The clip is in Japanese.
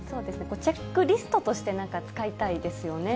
チェックリストとして使いたいですよね。